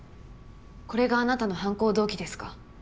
これがあなたの犯行動機ですか？